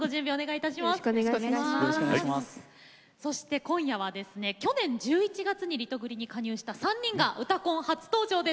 今夜は去年１１月にリトグリに加入した３人が「うたコン」初登場です。